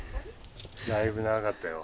だいぶ長かったよ。